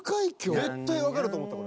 ［絶対わかると思ったこれ。